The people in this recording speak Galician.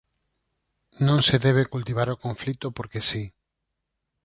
Non se debe cultivar o conflito porque si.